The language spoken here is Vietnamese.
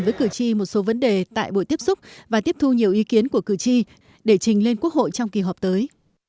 với cử tri một số vấn đề tại buổi tiếp xúc và tiếp thu nhiều ý kiến của cử tri để trình lên quốc hội trong kỳ họp tới